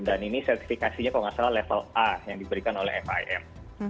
dan ini sertifikasinya kalau tidak salah level a yang diberikan oleh mim